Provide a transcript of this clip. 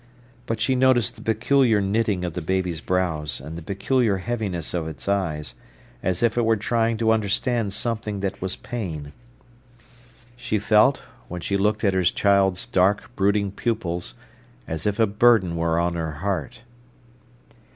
But she noticed the peculiar knitting of the baby's brows, and the peculiar heaviness of its eyes, as if it were trying to understand something that was pain. She felt, when she looked at her child's dark, brooding pupils, as if a burden were on her heart.